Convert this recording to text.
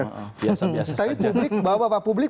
biasa biasa saja tapi publik bahwa bapak publik